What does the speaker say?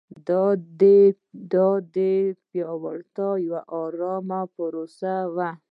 دا د پیاوړتیا یوه ارامه پروسه وه.